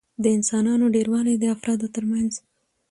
د انسانانو ډېروالي د افرادو ترمنځ